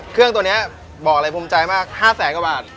เครื่องตัวนี้บอกอะไรคุ้มใจมากห้าแสนกว่าบาท